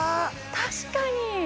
確かに！